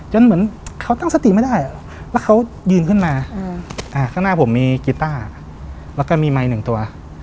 เหมือนเขาตั้งสติไม่ได้แล้วเขายืนขึ้นมาข้างหน้าผมมีกีต้าแล้วก็มีไมค์หนึ่งตัว